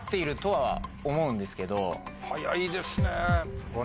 早いですね。